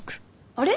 あれ！？